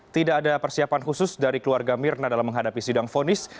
tidak ada persiapan khusus dari keluarga mirna dalam menghadapi sidang fonis